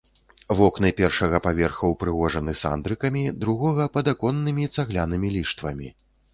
Вокны першага паверха ўпрыгожаны сандрыкамі, другога падаконнымі цаглянымі ліштвамі.